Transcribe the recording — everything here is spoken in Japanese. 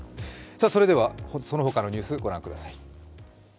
その他のニュースご覧ください。